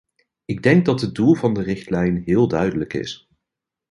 Ik denk dat het doel van de richtlijn heel duidelijk is.